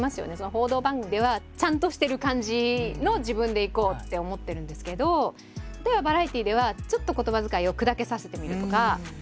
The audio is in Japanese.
報道番組ではちゃんとしてる感じの自分でいこうって思ってるんですけど例えばバラエティーではちょっと言葉遣いを砕けさせてみるとか。